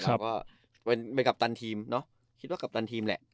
ก็เป็นกัปตันทีมเนอะคิดว่ากัปตันทีมแหละ